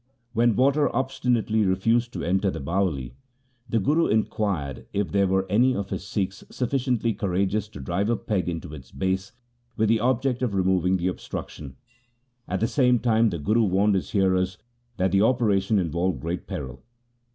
When water obstinately refused to enter the Bawali, the Guru inquired if there were any of his Sikhs sufficiently courageous to drive a peg into its base with the object of removing the obstruction. At the same time the Guru warned his hearers that the operation involved great peril.